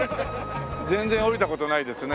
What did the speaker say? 全然降りた事ないですね。